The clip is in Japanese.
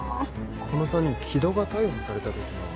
この３人木戸が逮捕されたときの。